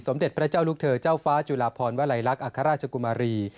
เด็จพระเจ้าลูกเธอเจ้าฟ้าจุลาพรวลัยลักษณ์อัครราชกุมารี